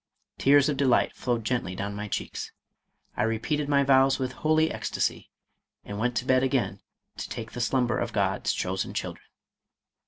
Tears of de light flowed gently down my cheeks. I repeated my vows with holy ecstacy, and went to bed again to take the slumber of God's chosen children."